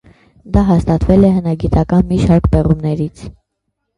Դա հաստատվել է հնագիտական մի շարք պեղումներից։